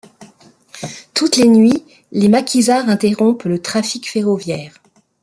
Toutes les nuits, les maquisards interrompent le trafic ferroviaire.